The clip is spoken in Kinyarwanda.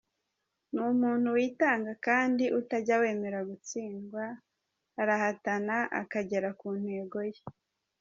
Ni umuntu witanga kandi utajya wemera gutsindwa, arahatana akagera ku ntego ye.